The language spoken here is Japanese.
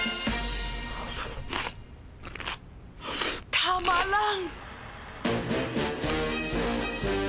とまらん